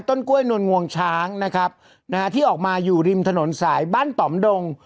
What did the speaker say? กล้วยนวลงวงช้างนะครับนะฮะที่ออกมาอยู่ริมถนนสายบ้านต่อมดง